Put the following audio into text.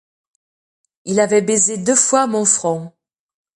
Il avait baisé deux fois mon front.